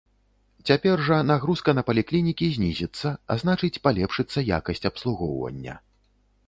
Цяпер жа нагрузка на паліклінікі знізіцца, а значыць, палепшыцца якасць абслугоўвання.